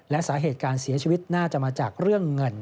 และสาเหตุการเสียชีวิตน่าจะมาจากเรื่องเงิน